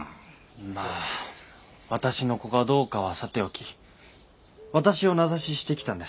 まあ私の子かどうかはさておき私を名指ししてきたんです。